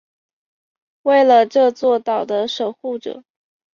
成为了这座岛的守护者。